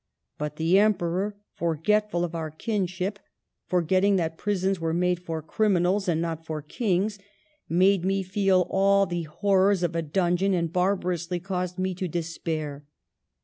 But the Emperor, forgetful of our kinship, forgetting that prisons were made for criminals and not for kings, made me feel all the horrors of a dun geon, and barbarously caused me to despair.